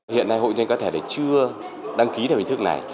hiện nay hộ kinh doanh cá thể chưa đăng ký thành hình thức này